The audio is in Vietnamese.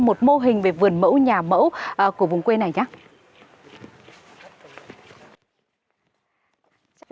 một mô hình về vườn mẫu nhà mẫu của vùng quê này nhé